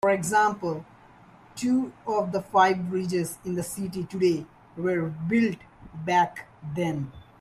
For example, two of the five bridges in the city today were built back then.